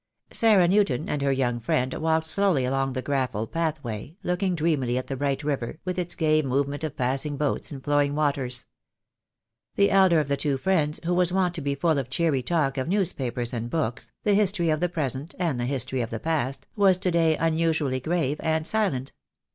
Sarah Newton and her young friend walked slowly along the gravel pathway, looking dreamily at the bright river, with its gay movement of passing boats and flowing waters. The elder of the two friends, who was wont to be full of cheery talk of newspapers and books, the history of the present, and the history of the past, was to day unusually grave and silent.